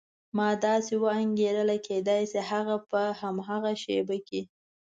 ما داسې وانګېرله کېدای شي هغه په هماغه شېبه کې.